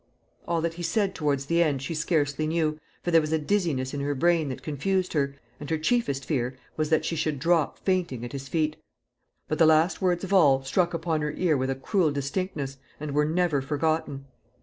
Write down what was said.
All that he said towards the end she scarcely knew, for there was a dizziness in her brain that confused her, and her chiefest fear was that she should drop fainting at his feet; but the last words of all struck upon her ear with a cruel distinctness, and were never forgotten.